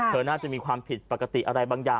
น่าจะมีความผิดปกติอะไรบางอย่าง